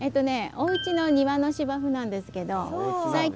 おうちの庭の芝生なんですけど最近。